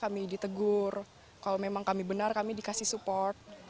kami ditegur kalau memang kami benar kami dikasih support